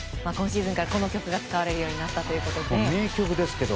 今シーズンからこの曲が使われるようになったということです。